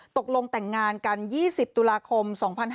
ตกลงแต่งงานกัน๒๐ตุลาคม๒๕๕๙